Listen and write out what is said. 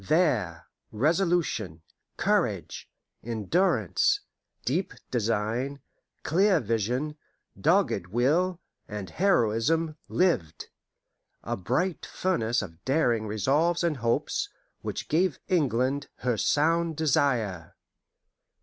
There resolution, courage, endurance, deep design, clear vision, dogged will, and heroism, lived: a bright furnace of daring resolves and hopes, which gave England her sound desire.